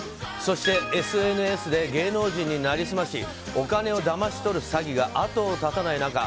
そして、ＳＮＳで芸能人になりすましお金を騙し取る詐欺が後を絶たない中